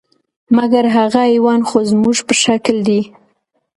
مګر هغه حیوان خو زموږ په شکل دی،